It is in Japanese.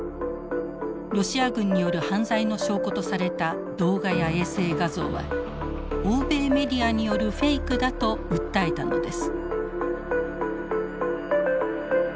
ロシア軍による犯罪の証拠とされた動画や衛星画像は欧米メディアによるフェイクだと訴えたのです。